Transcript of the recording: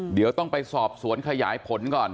เดี๋ยวต้องไปสอบสวนขยายผลก่อน